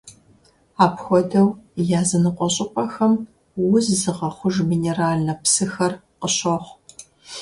Апхуэдэу языныкъуэ щӀыпӀэхэм уз зыгъэхъуж минеральнэ псыхэр къыщохъу.